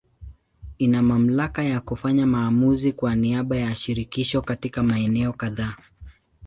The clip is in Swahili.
Ina mamlaka ya kufanya maamuzi kwa niaba ya Shirikisho katika maeneo kadhaa.